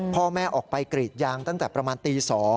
พ่อแม่ออกไปกรีดยางตั้งแต่ประมาณตี๒